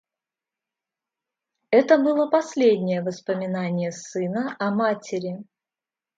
Это было последнее воспоминание сына о матери.